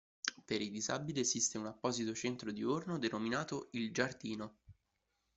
Per i disabili, esiste un apposito centro diurno, denominato il "Giardino".